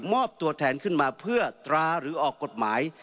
อบตัวแทนขึ้นมาเพื่อตราหรือออกกฎหมาย